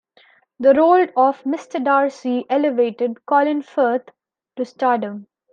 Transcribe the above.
The role of Mr Darcy elevated Colin Firth to stardom.